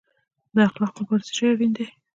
د اخلاقو لپاره څه شی اړین دی؟